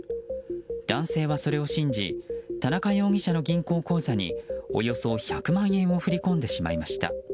男性は、それを信じ田中容疑者の銀行口座におよそ１００万円を振り込んでしまいました。